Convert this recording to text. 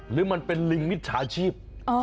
หรือมันเป็นลิงมิจฉาชีพ